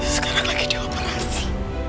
sekarang lagi di operasi